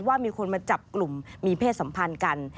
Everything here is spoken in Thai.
ว่ามีคนมาจับกลุ่มมีเพศสัมพันธ์กัน